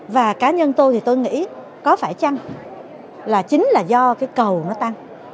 và cá nhân tôi thì tôi nghĩ có phải chăng là chính là do cái cầu nó tăng